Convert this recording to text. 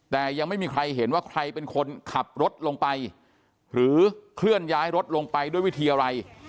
แต่ยังไม่มีใครเห็นว่าใครเป็นคนขับรถลงไปหรือเคลื่อนย้ายรถลงไปด้วยวิธีอะไร